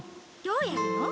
どうやるの？